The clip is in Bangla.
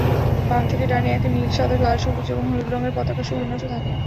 বাম থেকে ডানে একে নীল, সাদা, লাল, সবুজ এবং হলুদ রঙের পতাকা সুবিন্যস্ত থাকে।